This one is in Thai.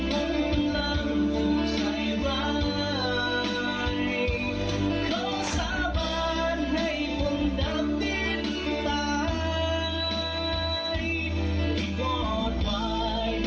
กับครั้งสำคัญแรกของช้าแรกยากมาติดโลคฮัิแลนด์